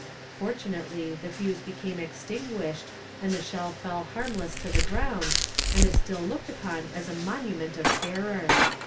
"Fortunately the fuse became extinguished and the shell fell harmless to the ground, and is still looked upon as a monument of terror."